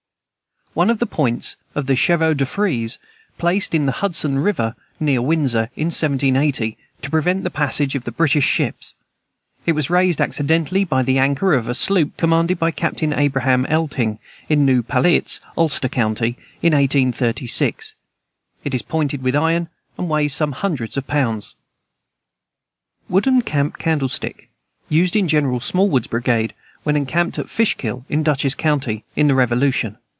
One of the points of the chevaux de frieze placed in the Hudson river, near New Windsor, in 1780, to prevent the passage of the British ships. It was raised accidentally by the anchor of a sloop commanded by Captain Abraham Elting, in New Paltiz, Ulster county, in 1836. It is pointed with iron, and weighs some hundreds of pounds. Wooden camp candlestick, used in General Smallwood's brigade while encamped at Fishkill, in Dutchess county, in the Revolution.